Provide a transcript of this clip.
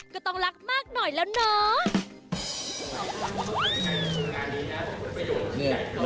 ก็ต้องรักมากหน่อยแล้วเนาะ